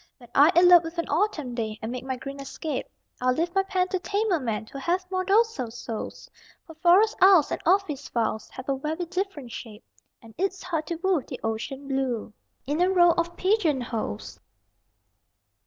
When I elope with an autumn day And make my green escape, I'll leave my pen to tamer men Who have more docile souls; For forest aisles and office files Have a very different shape, And it's hard to woo the ocean blue In a row of pigeon holes!